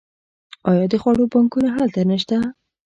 آیا د خوړو بانکونه هلته نشته؟